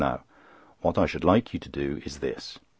Now, what I should like you to do is this.